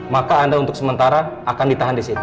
maka anda untuk sementara akan ditahan di situ